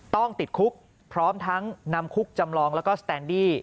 ต้องติดคุกพร้อมทั้งนำคุกจำลองแล้วก็สแตนดี้